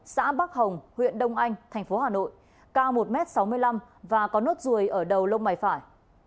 xã bắc hồng huyện đông anh tp hà nội cao một sáu mươi năm m và có nốt ruồi ở đầu lông mày phải